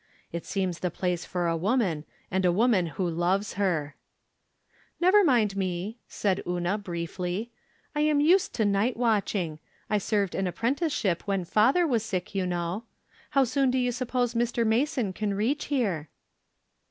It seems the place for a woman, and a woman who loves her." " Uever niuid me," said Una, briefly. " I am used to night watching ; I served an apprentice ship when father was sick, you know. How soon do you suppose Dr. Mason can reach here